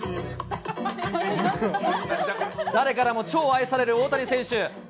誰からも超愛される大谷選手。